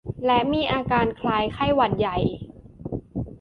และมีอาการคล้ายไข้หวัดใหญ่